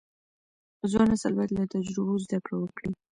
ځوان نسل باید له تجربو زده کړه وکړي.